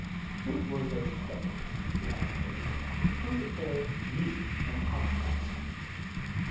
"Who were those judges," he asked bitterly, "to declare me an outcast?"